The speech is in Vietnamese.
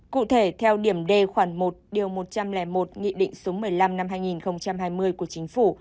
cụ thể theo điểm d khoản một điều một trăm linh một nghị định số một mươi năm năm hai nghìn hai mươi của chính phủ